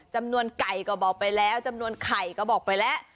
จำนวนไก่ก็บอกไปแล้วจำนวนไข่ก็บอกไปแล้ว